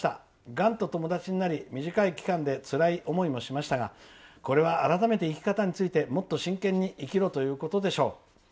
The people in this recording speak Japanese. がんと友達になり短い期間でつらい思いもしましたがこれは改めて生き方についてもっと真剣に生きろということでしょう。